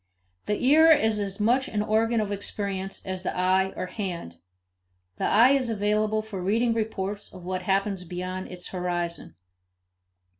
The ear is as much an organ of experience as the eye or hand; the eye is available for reading reports of what happens beyond its horizon.